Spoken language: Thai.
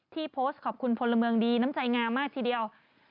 ที่โพสต์ขอบคุณพลเมืองดีน้ำใจงามมากทีเดียว